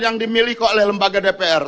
yang dimiliki oleh lembaga dpr